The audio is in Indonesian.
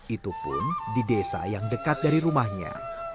itu pun di desa yang dekat dari rumahnya